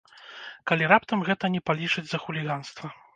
Калі раптам гэта не палічаць за хуліганства.